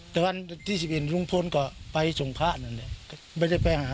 แต่วันที่๑๑ลุงพลก็ไปส่งพระนั่นแหละไม่ได้ไปหา